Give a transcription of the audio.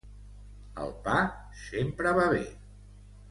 El pa sempre va bé.